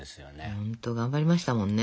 本当頑張りましたもんね。